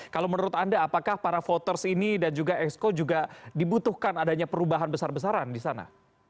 kalau menurut anda apakah para voters ini dan juga exco juga dibutuhkan adanya perubahan besar besaran di sana